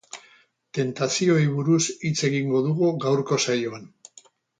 Tentazioei buruz hitz egingo dugu gaurko saioan.